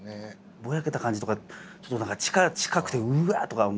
ぼやけた感じとかちょっと何か近くてうわ！とか思って。